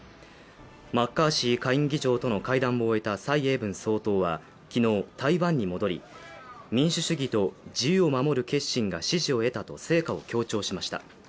マッカーシー下院議長との会談を終えた蔡英文総統は、昨日台湾に戻り、民主主義と自由を守る決心が支持を得たと成果を強調しました。